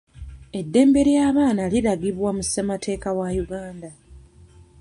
Eddembe ly'abaana liragibwa mu ssemateeka wa Uganda.